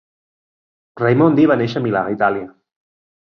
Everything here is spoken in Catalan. Raimondi va néixer a Milà, Itàlia.